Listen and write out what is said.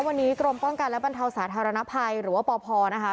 วันนี้กรมป้องกันและบรรเทาสาธารณภัยหรือว่าปพนะคะ